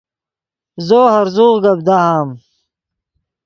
زو ہرزوغ گپ دہام